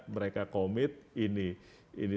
mereka commit ini ini